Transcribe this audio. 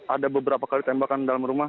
ada beberapa kali tembakan dalam rumah